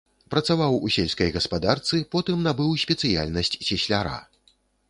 Працаваў у сельскай гаспадарцы, потым набыў спецыяльнасць цесляра.